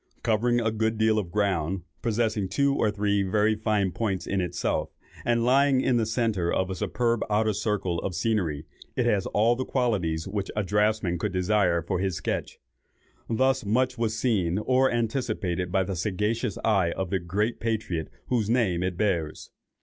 Covering a good deal of ground, possessing two or three very fine points in itself, and lying in the centre of a superb outer circle of scenery, it has all the qualities which a draftsman could desire for his sketch. Thus much was seen or anticipated by the sagacious eye of the great patriot whose name it bears.